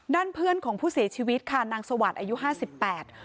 ด้านเพื่อนของผู้เสียชีวิตค่ะนางสวัสดิ์อายุห้าสิบแปด